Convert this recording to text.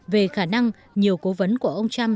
về khả năng nhiều cố vấn của ông trump